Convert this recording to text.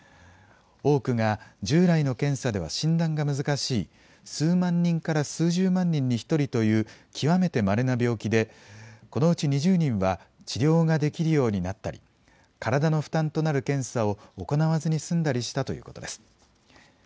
多くが従来の検査では診断が難しい数万人から数十万人に１人という極めてまれな病気で、このうち２０人は治療ができるようになったり、体の負担となる検査を行わずに済んだりしたということです。